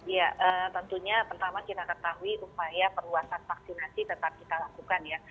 ya tentunya pertama kita ketahui upaya perluasan vaksinasi tetap kita lakukan ya